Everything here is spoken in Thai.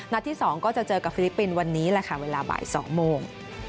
ที่๒ก็จะเจอกับฟิลิปปินส์วันนี้แหละค่ะเวลาบ่าย๒โมง